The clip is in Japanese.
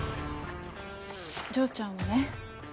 丈ちゃんはね